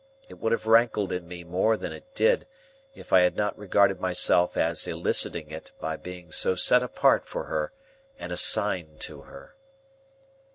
It would have rankled in me more than it did, if I had not regarded myself as eliciting it by being so set apart for her and assigned to her.